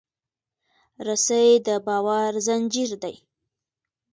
رسۍ د باور زنجیر دی.